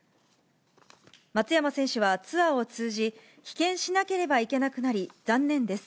松山選手はツアーを通じ、棄権しなければいけなくなり、残念です。